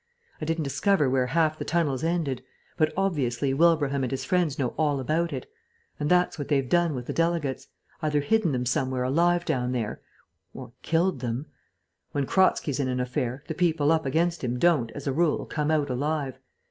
I didn't discover where half the tunnels ended. But obviously Wilbraham and his friends know all about it. And that's what they've done with the delegates. Either hidden them somewhere alive down there, or killed them. When Kratzky's in an affair, the people up against him don't, as a rule, come out alive....